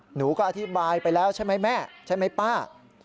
หนูก็อธิบายไปแล้วใช่ไหมแม่ใช่ไหมป้า